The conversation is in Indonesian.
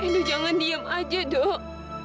endo jangan diam aja dok